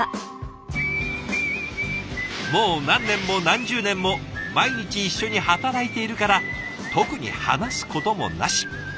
もう何年も何十年も毎日一緒に働いているから特に話すこともなし。